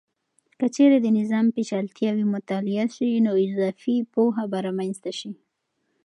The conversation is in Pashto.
که چیرې د نظام پیچلتیاوې مطالعه سي، نو اضافي پوهه به رامنځته سي.